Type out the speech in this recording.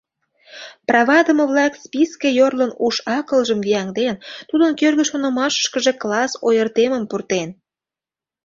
Правадыме-влак списке йорлын уш-акылжым вияҥден, тудын кӧргӧ шонымашкыже класс ойыртемым пуртен.